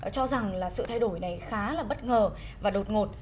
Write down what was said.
cho rằng là sự thay đổi này khá là bất ngờ và đột ngột